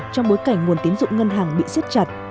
trong bối cảnh nguồn tiến dụng ngân hàng bị xếp chặt